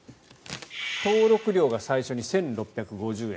登録料が最初に１６５０円